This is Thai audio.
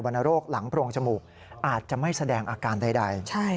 รณโรคหลังโพรงจมูกอาจจะไม่แสดงอาการใด